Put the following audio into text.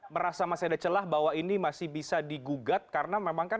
berbagai macam kegiatan lah bisa dilakukan